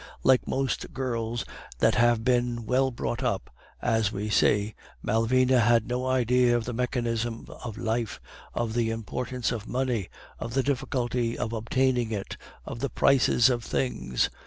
Like most girls that have been 'well brought up,' as we say, Malvina had no idea of the mechanism of life, of the importance of money, of the difficulty of obtaining it, of the prices of things.